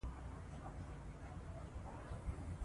د لوی اختر حکمت